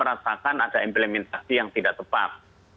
rasakan ada implementasi yang tidak tepat